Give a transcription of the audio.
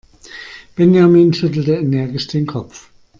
Benjamin schüttelte energisch den Kopf.